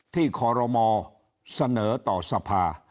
คอรมอเสนอต่อสภา